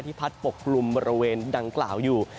พัดปกกลุ่มบริเวณดังกล่าวอยู่